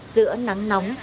giữa nắng nóng